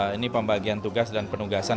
ini pembagian tugas dan penugasan